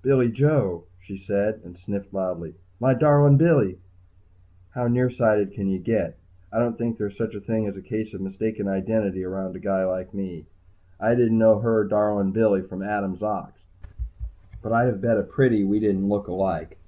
"Billy Joe!" she said, and sniffled loudly. "My darlin' Billy!" How near sighted can you get? I don't think there's such a thing as a case of mistaken identity around a guy like me. I didn't know her darlin' Billy from Adam's ox. But I'd have bet a pretty we didn't look alike.